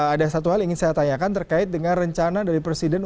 ada satu hal yang ingin saya tanyakan terkait dengan rencana dari presiden